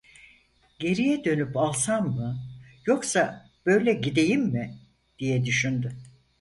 Geriye dönüp alsam mı, yoksa böyle gideyim mi, diye düşündü.